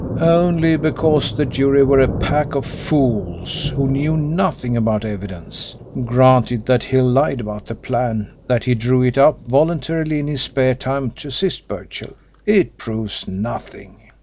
"Only because the jury were a pack of fools who knew nothing about evidence. Granted that Hill lied about the plan that he drew it up voluntarily in his spare time to assist Birchill it proves nothing.